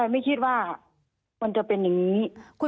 ไม่คิดว่ามันจะเป็นอย่างนี้